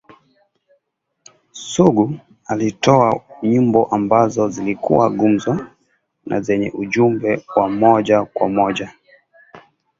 Sugu alitoa nyimbo ambazo zilikuwa gumzo na zenye ujumbe wa moja kwa moja